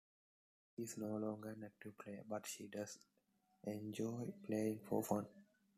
She is no longer an active player, but she does enjoy playing for fun.